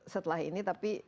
setelah ini tapi